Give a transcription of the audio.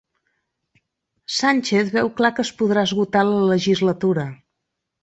Sánchez veu clar que es podrà esgotar la legislatura